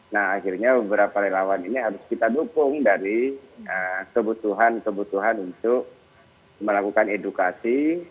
nah akhirnya beberapa relawan ini harus kita dukung dari kebutuhan kebutuhan untuk melakukan edukasi